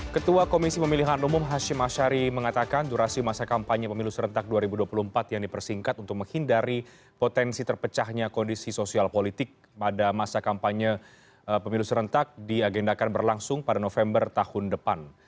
ketua komisi pemilihan umum hashim ashari mengatakan durasi masa kampanye pemilu serentak dua ribu dua puluh empat yang dipersingkat untuk menghindari potensi terpecahnya kondisi sosial politik pada masa kampanye pemilu serentak diagendakan berlangsung pada november tahun depan